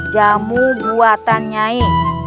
jamu buatan nyai